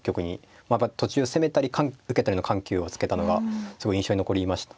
途中攻めたり受けたりの緩急をつけたのがすごい印象に残りました。